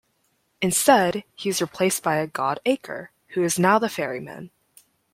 Instead, he is replaced by a god Aker, who is now the ferryman.